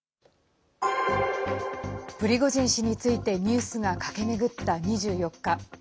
プリゴジン氏についてニュースが駆け巡った２４日。